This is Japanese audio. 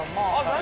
何？